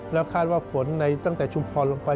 แล้วคาดว่าฝนในตั้งแต่ชุมพรลงไป